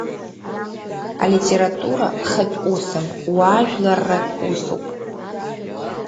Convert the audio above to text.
Алитература хатә усым, уаажәларратә усуп.